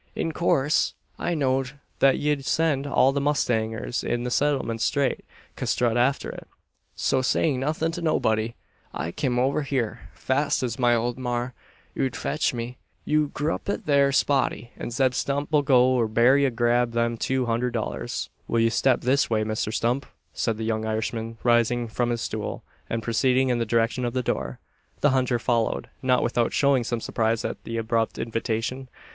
In coorse, I knowed thet 'ud send all the mustangers in the settlement straight custrut arter it; so, sayin' nuthin' to nobody, I kim over hyur, fast as my ole maar 'ud fetch me. You grup thet 'ere spotty, an Zeb Stump 'll go yur bail ye'll grab them two hunderd dollars." "Will you step this way, Mr Stump?" said the young Irishman, rising from his stool, and proceeding in the direction of the door. The hunter followed, not without showing some surprise at the abrupt invitation.